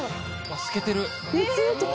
透けてる。